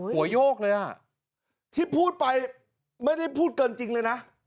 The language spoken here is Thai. โยกเลยอ่ะที่พูดไปไม่ได้พูดเกินจริงเลยนะ